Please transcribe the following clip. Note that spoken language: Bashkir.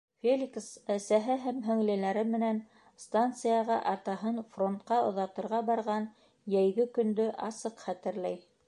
Феликс әсәһе һәм һеңлеләре менән станцияға атаһын фронтҡа оҙатырға барған йәйге көндө асыҡ хәтерләй.